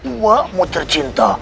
uak mau tercinta